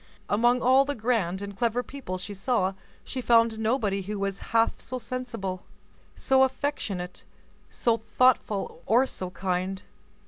Among all the grand and clever people she saw, she found nobody who was half so sensible, so affectionate, so thoughtful, or so kind.